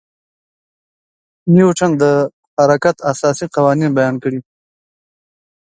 نیوټن د حرکت اساسي قوانین بیان کړي.